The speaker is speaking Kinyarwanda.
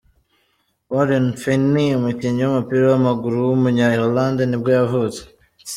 Warren Feeney, umukinnyi w’umupira w’amaguru w’umunya Ireland nibwo yavutse.